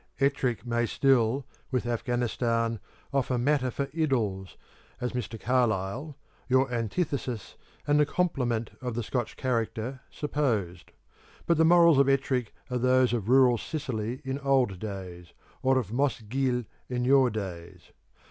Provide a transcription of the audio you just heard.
Ettrick may still, with Afghanistan, offer matter for idylls, as Mr. Carlyle (your antithesis, and the complement of the Scotch character) supposed; but the morals of Ettrick are those of rural Sicily in old days, or of Mossgiel in your days.